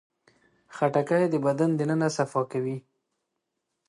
خټکی د بدن دننه صفا کوي.